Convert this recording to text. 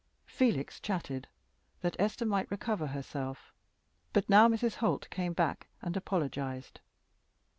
Felix chatted, that Esther might recover herself; but now Mrs. Holt came back and apologized.